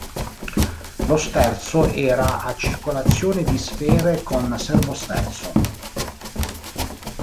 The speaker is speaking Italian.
Lo sterzo era a circolazione di sfere con servosterzo.